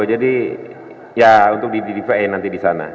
jadi ya untuk di vi nanti di sana